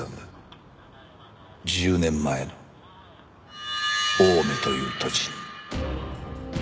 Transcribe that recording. １０年前の青梅という土地に。